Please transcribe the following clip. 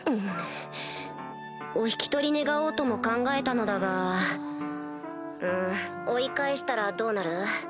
お引き取り願おうとも考えたのだがうぅ追い返したらどうなる？